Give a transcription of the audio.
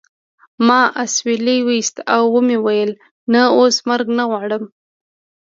ما اسویلی وایست او و مې ویل نه اوس مرګ نه غواړم